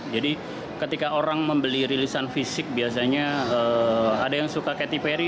jadi ketika orang membeli kerelisan fisik biasanya ada yang suka katy perry